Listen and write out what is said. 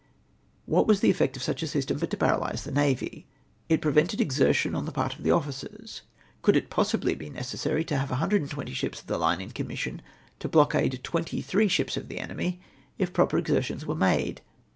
What was the effect of such a system but to paralyse the Navy ? It prevented exertion on the part of the officers. Could it possibly be necessary to have 120 ships of the line in commission to blockade twenty three ships of the enemy, if proper exertions were made.